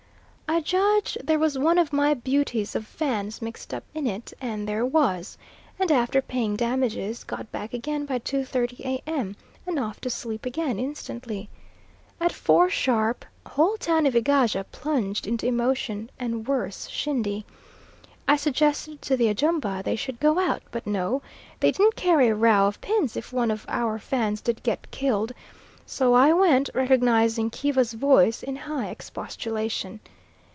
I judged there was one of my beauties of Fans mixed up in it, and there was, and after paying damages, got back again by 2.30 A.M., and off to sleep again instantly. At four sharp, whole town of Egaja plunged into emotion, and worse shindy. I suggested to the Ajumba they should go out; but no, they didn't care a row of pins if one of our Fans did get killed, so I went, recognising Kiva's voice in high expostulation.